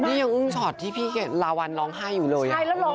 นี่ยังอุ้งช็อตที่พี่ลาวัลร้องไห้อยู่เลย